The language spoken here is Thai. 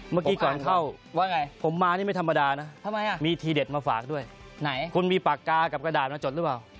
เมื่อกี้ก่อนเข้าว่าไงผมมานี่ไม่ธรรมดานะมีทีเด็ดมาฝากด้วยไหนคุณมีปากกากับกระดาษมาจดหรือเปล่า